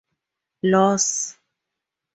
Loss.